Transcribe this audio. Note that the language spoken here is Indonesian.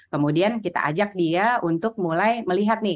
kemudian kita ajak dia untuk mulai melihat nih